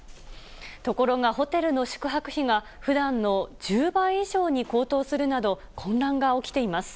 ところがホテルの宿泊費が、ふだんの１０倍以上に高騰するなど、混乱が起きています。